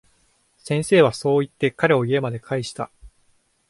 先生はそう言って、彼を家まで帰した。